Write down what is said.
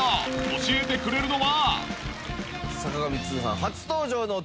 教えてくれるのは？